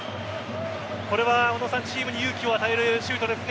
これはチームに勇気を与えるシュートですね。